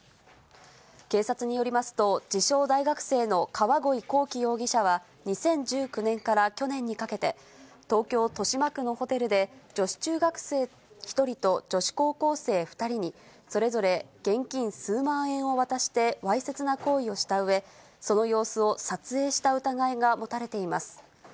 警察によりますと、自称大学生の川鯉こうき容疑者は２０１９年から去年にかけて、東京・豊島区のホテルで女子中学生１人と女子高校生２人に、それぞれ現金数万円を渡してわいせつな行為をしたうえ、その様子を撮影した疑いが持たれています。